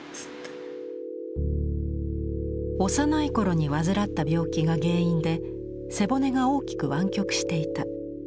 幼い頃に患った病気が原因で背骨が大きく湾曲していた。